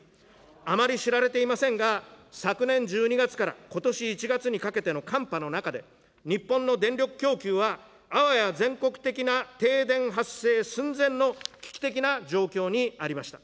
あまり知られていませんが、昨年１２月からことし１月にかけての寒波の中で、日本の電力供給は、あわや全国的な停電発生寸前の危機的な状況にありました。